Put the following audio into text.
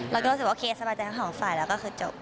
แล้วก็รู้สึกว่าเคสบายใจทั้งสองฝ่ายแล้วก็คือจบ